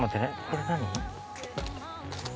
これ何？